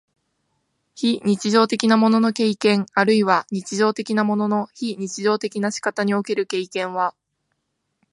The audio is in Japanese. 非日常的なものの経験あるいは日常的なものの非日常的な仕方における経験は、